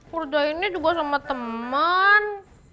hurdah ini juga sama temen